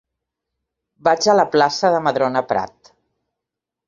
Vaig a la plaça de Madrona Prat.